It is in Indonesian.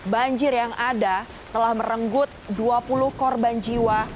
banjir yang ada telah merenggut dua puluh korban jiwa